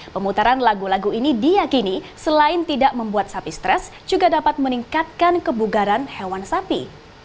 pemutaran lagu lagu ini diakini selain tidak membuat sapi stres juga dapat meningkatkan kebugaran hewan sapi